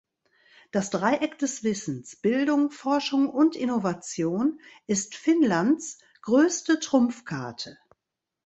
Das Dreieck des Wissens – Bildung, Forschung und Innovation – ist Finnlands größte Trumpfkarte.